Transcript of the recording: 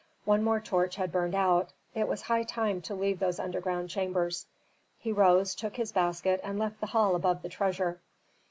One more torch had burnt out; it was high time to leave those underground chambers. He rose, took his basket and left the hall above the treasure.